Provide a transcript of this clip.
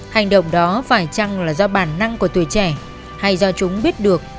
hành động đó phải chăng là do bản năng của tuổi trẻ hay do chúng biết được